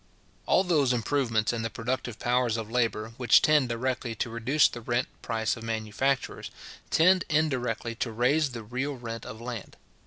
All those improvements in the productive powers of labour, which tend directly to reduce the rent price of manufactures, tend indirectly to raise the real rent of land.